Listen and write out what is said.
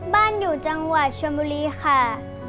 บ้านอยู่จังหวัดชนบุรีค่ะ